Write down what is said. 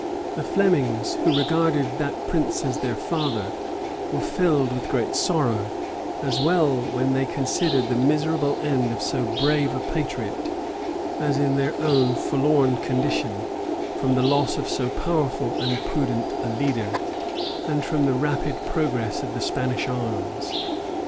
The Flemings, who regarded that prince as their father, were filled with great sorrow, as well when they considered the miserable end of so brave a patriot, as their own forlorn condition, from the loss of so powerful and prudent a leader, and from the rapid progress of the Spanish arms.